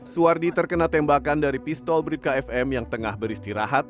suwardi terkena tembakan dari pistol bkfm yang tengah beristirahat